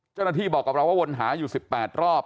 เจ้าหน้าที่บอกกับเราว่าวนหาอยู่๑๘รอบ